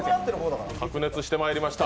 白熱してまいりました